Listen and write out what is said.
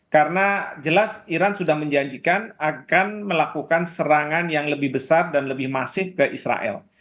karena jelas iran sudah menjanjikan akan melakukan serangan yang lebih besar dan lebih masif ke israel